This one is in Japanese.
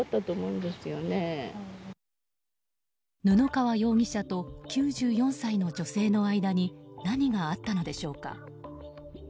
布川容疑者と９４歳の女性の間に何があったのでしょうか。